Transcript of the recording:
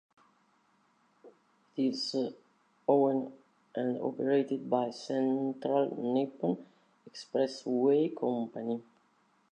It is owned and operated by Central Nippon Expressway Company.